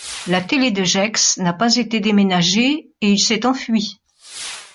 La télé de Gex n'a pas été déménagée, et il s'est enfui.